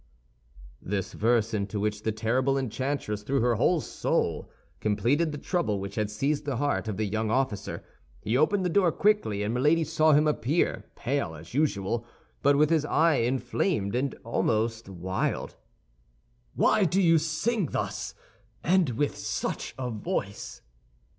This verse, into which the terrible enchantress threw her whole soul, completed the trouble which had seized the heart of the young officer. He opened the door quickly; and Milady saw him appear, pale as usual, but with his eye inflamed and almost wild. "Why do you sing thus, and with such a voice?"